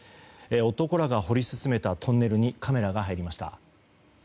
男らが掘り進めたトンネルにカメラが入りました。